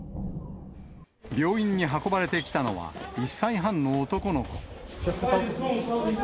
病院に運ばれてきたのは、１歳半の男の子。